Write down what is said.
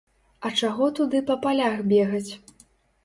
А чаго туды па палях бегаць?